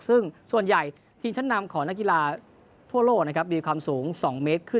ซึ่งส่วนใหญ่ทีมชั้นนำของนักกีฬาทั่วโลกนะครับมีความสูง๒เมตรขึ้น